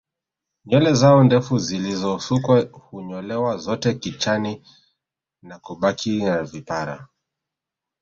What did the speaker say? Nywele zao ndefu zilizosukwa hunyolewa zote kichani na kubaki na vipara